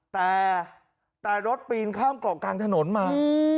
แต่รถปีนข้ามกล่องกลางถนนมา